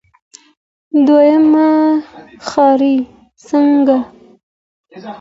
دويمه ښاري څانګه.